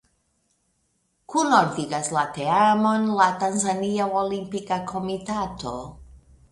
Kunordigas la teamon la Tanzania Olimpika Komitato.